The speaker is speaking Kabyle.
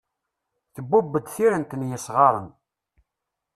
Tbubb-d tirint n yesɣaren.